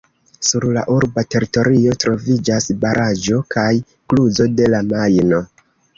Sur la urba teritorio troviĝas baraĵo kaj kluzo de la Majno.